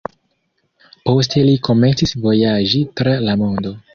Poste li komencis vojaĝi tra la mondo.